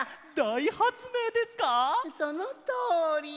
そのとおり！